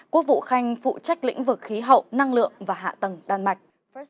quốc vụ khanh phụ trách lĩnh vực khí hậu năng lượng và hạ tầng đan mạch